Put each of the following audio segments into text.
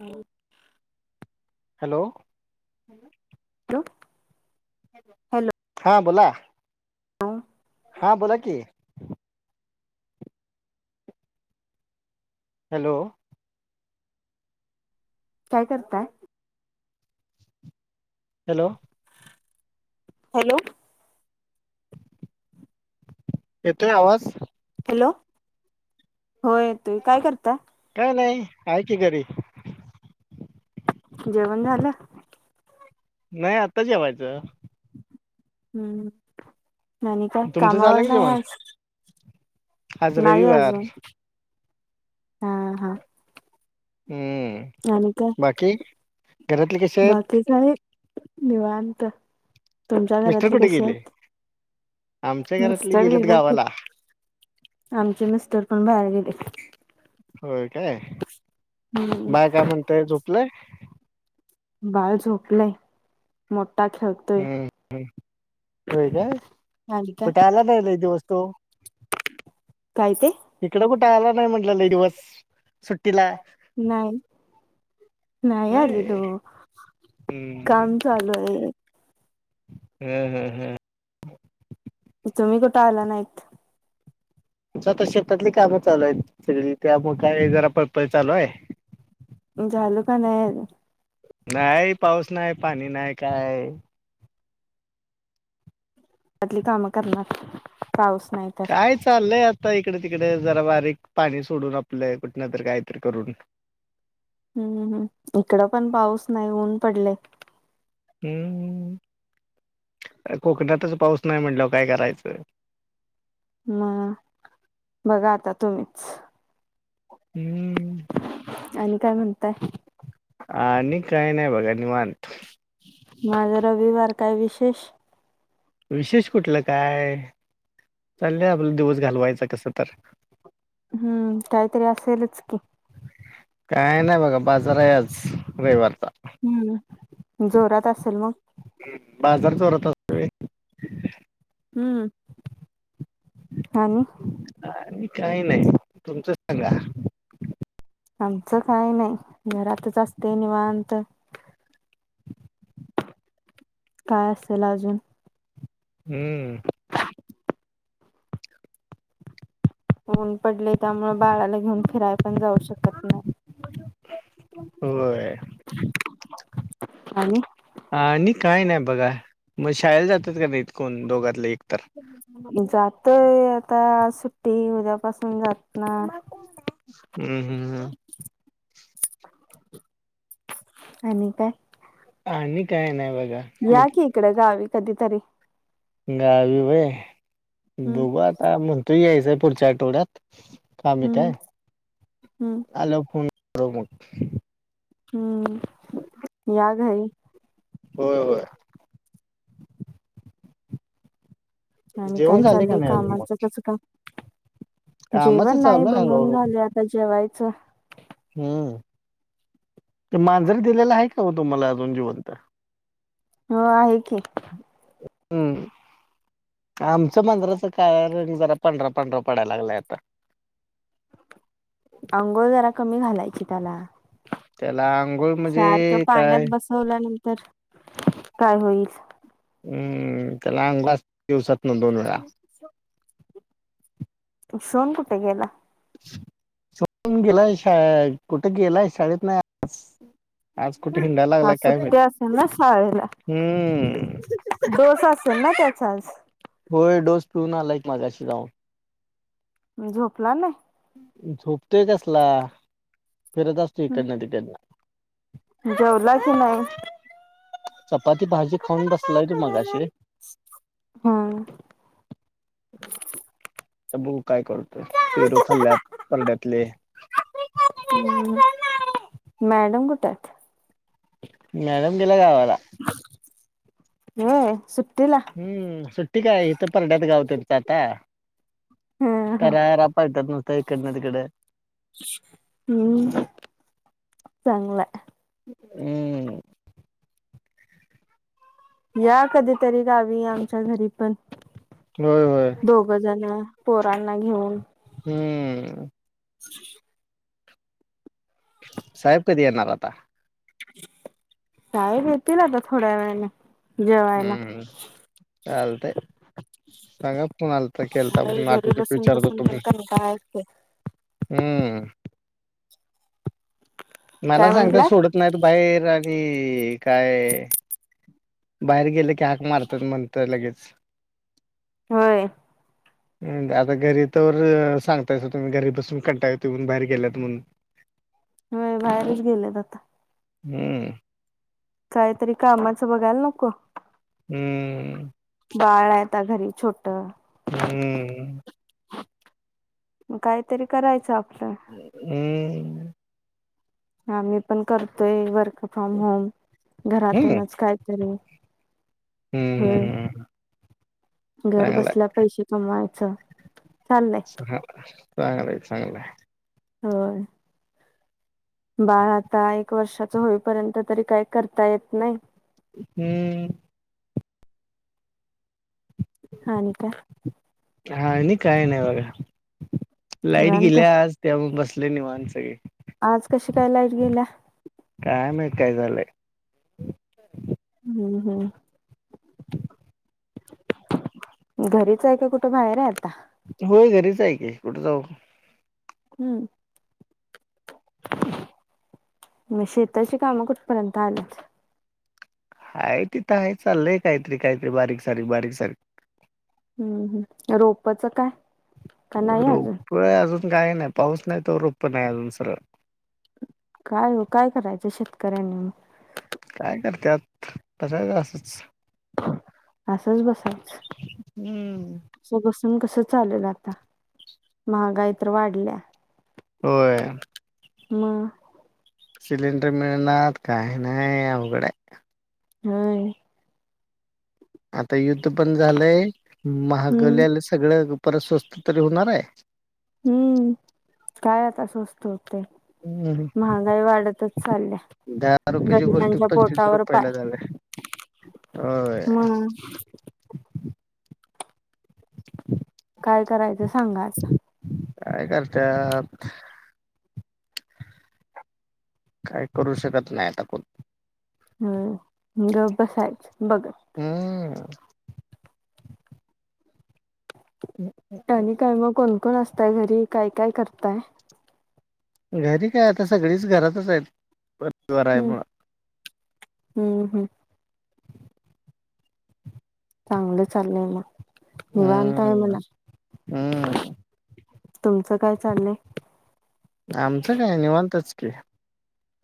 आणि hello [inaudible] hello हा बोला हा बोला कि हॅलो काय करताय? हॅलो हॅलो‌ येतोय आवाज? हॅलो होय येतोय काय करताय? काय नाही आहे की घरी जेवण झालं? नाही आता जेवायचं हम्म आणि काय तुमचं झालं कामावर की नाही जेवण आज आज नाही रविवार अजून हा हा हम्म आणि काय? बाकी घरातले कसे आहेत बाकी काय? निवांत तुमच्या मिस्टर घरातली कुठे कशी गेले आहेत? आमच्या घरातले मिस्टर गेलेत गावाला आमचे मिस्टर पण बाहेर गेलेत होय काय हम्म बाळ काय म्हणतय झोपलंय? बाळ झोपलंय, मोठा खेळतोय. हम्म होय काय आली का कुठं आला नाही लय दिवस तो काय ते इकड कुठे आला नाही म्हटलं लय दिवस. सुट्टीला नाही. नाही आलेत होय ओ काम चालुय. ह ह ह तुम्ही कुठं आला नाहीत? तेच आता शेतातली कामं चालूयत त्यामुळं जरा पळपळ चालूय. झालं का नाही अजुन नाही पाऊस नाही, पाणी नाही, काय? तली कामं करणार पाऊस नाही तर काय चाललंय आ इकडे तिकडे जरा बारीक पाणी सोडून आपल कुठनतर काहीतरी करून हम्म हम्म इकड पण पाऊस नाही ऊन पडलय. हम्म कोकणातच पाऊस नाय म्हटल्याव काय करायचं. मग बघा आता तुम्हीच हम्म आणि काय म्हणताय? आणि काही नाही बघा निवांत म आज रविवार काय विशेष विशेष कुठलं काय चाललय आपला दिवस घालवायचा कस तर हम्म काहीतरी असेलच की काय नाही बघा बाजाराय आज रविवार हम्म जोरात असेल मग बाजार चोरत सळे हम्म आणि आणि काही नाही तुमचं सांगा आमचं काही नाही घरातच असते निवांत काय असेल अजून हम्म ऊन पडले त्यामुळे बाळाला घेऊन फिरायला पण जाऊ शकत नाही हो अ आणि आणि काय नाही बघा मग शाळेला जातात का नाही इतकण दोघातले एक तर जातय आता सुट्टी उद्यापासून जात ना हम्म हम्म हम् आणि काय आणि काय नाही बघ या की इकड गावी कधीतरी गावी होय हम्म बघू आता म्हणत यायचं पुढच्या आठवड्यात हम्म हम्म [unintelligible] हम्म या घरी होय होय आणि जेवण काय झाले का चाललंय नाही अजून मग कामाचं कसं का कामाच जेवण नाही चालू आहे बनवून हळूहळू झाले आता जेवायचं हम्म ते मांजर दिलेला आहे का हो तुम्हाला जीवंत हो आहे की हम्म आमच्या मंदिराच काय रंग जरा पंढरा पांढरा पडायला लागलाय आता अंघोळ जरा कमी घालायची त्याला त्याला आंघोळ म्हणजे सारखं काय पाण्यात बसवलं नंतर तर काय होईल हम्म त्यालांगलास दिवसात ना दोन वेळा सोन कुठे गेला सोडून गेलाय शा कुठे गेलाय शाळेत नाही आ पा सुट्टी अस असलं ना सळेला हम्म डोस असेल ना त्याचा आज होय डोस पिऊ ना लाक माझाशी जा मी झोपला नाही झोपतोय कसला फिरत असतो हम्म. इकडन तिकडन जेवला की [unintelligible] नाही चपाती भाजी खाऊन बसलाय तू मगा अशी हम्म अ ब काय करतोय पेरोू खाल्ल्यात परड्यातले हम्म. मॅडम कुठत मॅडम गेल्या गावाला हेय सुप हम्म सुट्टी काय इथं परड्यात गाव त्यांचं आता ह तररार पायतात नुसतं इकडन तिकडे [unintelligible] हम् चांगलंय हम्म या कधीतरी गावी आमच्या घरी पण होय होय दोघ जण पोरांना घेऊन हम्म ह [unintelligible] साहेब कधी येणार आता साहेब येतील आता थोड्या वेळाने जेवायला हम्म चालतेय सांगा फोन आलता केलता अरे म्हणून घरी आठव बसून बसून वीचारतो पण म्हणून कंटाळा येतोय हम्म मला काय सांगता म्हंटलाय सोडत नाहीत बाहेर आणि ई हे काय बाहेर गेले की हाक मारतात म्हणत लगेच होय आता घरी तोवर सांगतायच तुम्ही घरी बसून कंटायते म्हून बाहेर गेल्यात म्हणून होय बाहेरच गेलेत आता हम्म काहीतरी कामाचं बघायला नको हम्म बाळ आहे आता घरी छोटा हम्म काहीतरी करायचं आपलं हम्म हा मी पण करतोय वर्क फ्रॉम होम हम्म घरातूनच काहीतरी होय हम्म घर चांगलाय. बसल्या पैसे कमवायचं चाललंय ह चांगलं आहे चांगलंय हो बारा आता एक वर्षाच होईपर्यंत तरी काही करता येत नाही हम्म हा नी काय हा आणि काय नाही बघा लाईट निवांत गेल्या आज त्या बसलो लले निवाांतसगे आज कशी कायलाईट गेल्या काय माहित काय झालंय हम् हम घरीच आहे का कुठं बाहेर आहे आता होय घरीच आहे कि कुठ जाऊ हम्म म शेताची कामं कुठपर्यंत आल्यात. हाय तिथं हाय चाललंय काहीतरी काहीतरी बारीक सारीक बारीक सारीक. हम्म हम् रोपच काय. का नाही अजून रोप अजून काय नाय पाऊस नाही तवर रोप नाही अजून सरळ. काय ओ काय करायचं शेतकऱ्यांनी म काय करत्यात [unintelligible] असच. असच बसायच हम्म. असब सून कस चालल आता महागाई तर वाढल्या. होय म सिलेंडर मिळनात काय नाय अवघडाय. होय आता युद्ध पण झालंय हम्म महागल्याल सगळं परत स्वस्त तरी हुणाराय. हम्म काय आता स्वस्त. हम्म. महागाई वाढतच चालल्या. दहा रुपयची गोष्ट गरिबांच्या पंचवीस पोटावर रुपयला पाय झाल्या. होय मग काय करायचं सांगा आता. काय करत्यात काय करू शकत नाय आता कोण. हम गप बसायचं बघत. हम्म आणि काय मग कोण कोण असताय घरी काय काय करताय. घरी काय आता सगळीच घरातच हायत. हम्म हम्म हम्म चांगलं चाललंय म निवांताय हम्म म्हणा हम्म तुमचं काय चाललंय. आमचं काय निवांतच की.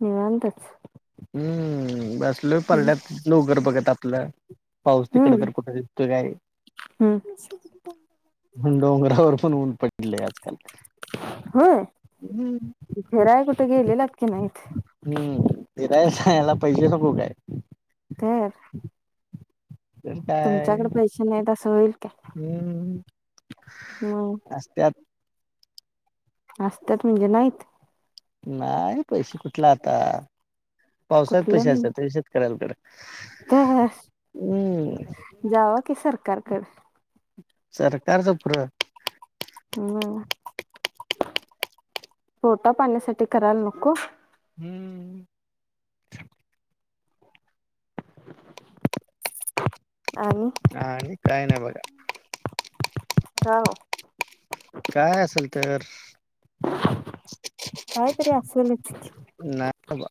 निवांतच. हम्म बस लोय परड्यात लोगर बघत आपलं पाऊस तिकड तर कुठ दिसतोय काय. हम्म हम्म डोंगरावर पण ऊन पडलंय आजकाल. होय. हम्म. फेराय कुट गेलेलात की नाईत. जायाला पैसे नगो काय. तर तर काय तुमच्याकडे पैसे नाहीत असं होईल काय हम्म मग असत्यात. असत्यात म्हणजे नाईत. नाय पैशे कुठल आता पावसाळ्यात पैशे कुठलं असत्यात होय शेतकऱ्यानंकड. तर जाव कि सरकारकड. सरकारचं फुर. म् पोटा पाण्यासाठी करायला नको. हम्म आणि आणि काय नाय बघा. का ओ काय असल तर. ते असलच की. नाही बा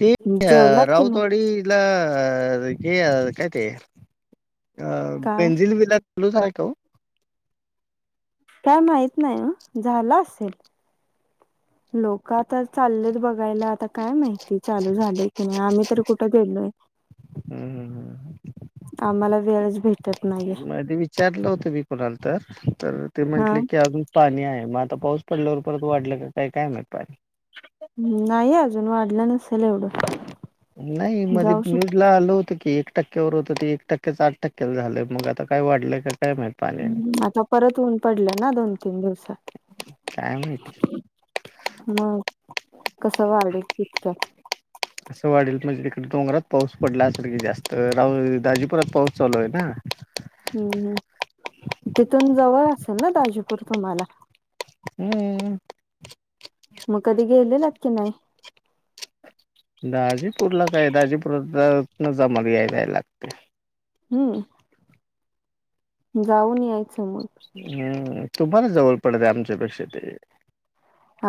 ते अ जेवलात की नाही राऊतवाडीला आ हे अ काय ते. अ काय बेंझिल विला चालू आहे का काय माहित नाही ओ झाला असेल लोक आता चाललेत बघायला आता काय माहिती चालू झाले की नाही आमही मी कुठे गेलो हम्म हम्म हम् आम्हाला वेळच भेट मध्ये विचारलं होत मी कुणाला तर तर ते हा म्हंटले की अजून पाणी आहे मग आता पाऊस पडल्यावर परत वाढलं काय काय म्हटयल नाही अजून वाढलं नसेल एवढं नाही मध्ये जाऊ शक न्यूज ला आलो होत की एक टक्क्यावर होतं ते एक टक्क्याचं आठ टक्क्या झालंय मग आता काय वाढलंय का काय माहित पाणी आता परत ऊन पडलं ना दोन तीन काय माहिती. दिवसात मग कसं वाढल इितक्यात असं वाढेल म्हणजे तिकडे डोंगरात. पाऊस पडला असल की जास्त, राऊ दाजीपुरात पाऊस चालू आहे ना. हम्म हम्म तिथून जवळ असेल ना दाजीपूर तुम्हाला, हम्म, मग कधी गेलेलात की नाही दाजीपूरला काय, दाजीपूरातनचं आमाला यायजायला लागतंय. हम्म जाऊन याय, हम्म तुम्हाला जवळ पडते. आमच्यापेक्षा ते,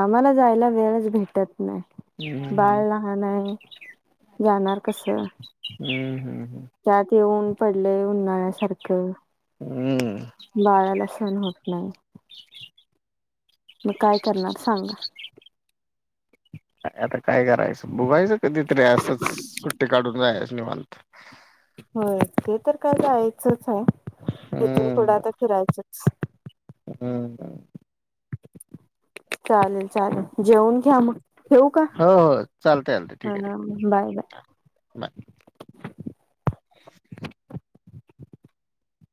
आम्हाला जायला वेळच भेटत नाय हम्म हम्म बाळ लहान आहे. जाणार कसं, हम्म हम्म हम्म. जाते ऊन, लय उन्हाळ्यासारख, हम्म. बाळाला सण होत नाही. मग काय करणार सांगा. आता काय करायचं, बोघायचं कधीतरीे असंच सुट्टी काढून जायचं निवांत. होय ते तर काय जायचंच आहे, इथून पुढं हम्म आता फिरायचंच. हम्म. चालेल चालेल जेवून घ्या. मग ठेऊ का, हो हो चालतंय चालतंय हा ठीक आहे ठीक आहे बाय बाय. बाय. [inaudible]